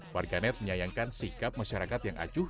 warga net menyayangkan sikap masyarakat yang acuh